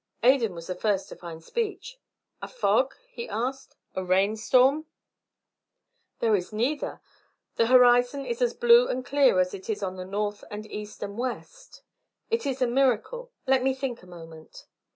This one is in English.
Adan was the first to find speech. "A fog?" he asked. "A rain storm?" "There is neither. The horizon is as blue and clear as it is on the north and east and west. It is a miracle. Let me think a moment."